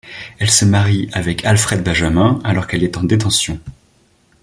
Elle se marie avec Alfred Benjamin, alors qu'elle est en détention.